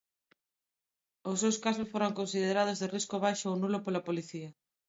Os seus casos foran considerados de "risco baixo ou nulo" pola policía.